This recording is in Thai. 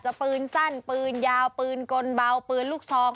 ปืนสั้นปืนยาวปืนกลเบาปืนลูกซอง